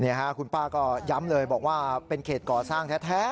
นี่ค่ะคุณป้าก็ย้ำเลยบอกว่าเป็นเขตก่อสร้างแท้